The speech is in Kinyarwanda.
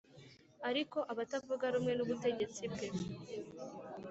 Ariko abatavuga rumwe n’ubutegetsi bwe